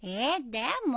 でも。